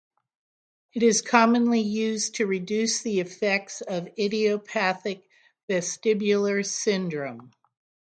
It is commonly used to reduce the effects of idiopathic vestibular syndrome.